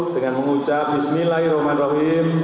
dengan mengucap bismillahirrahmanirrahim